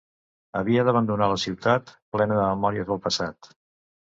Havia d'abandonar la ciutat, plena de memòries del passat.